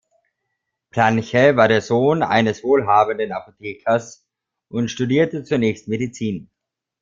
Planche war der Sohn eines wohlhabenden Apothekers und studierte zunächst Medizin.